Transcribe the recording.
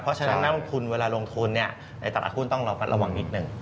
เพราะฉะนั้นนักลงทุนเวลาลงทุนในตลาดหุ้นต้องระมัดระวังนิดนึง